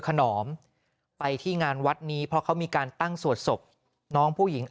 ขนอมไปที่งานวัดนี้เพราะเขามีการตั้งสวดศพน้องผู้หญิง